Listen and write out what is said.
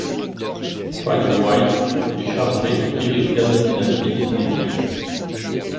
Faye White est chargée de tirer le dernier pénalty de son équipe.